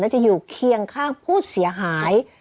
จะอยู่เคียงข้างผู้เสียหาย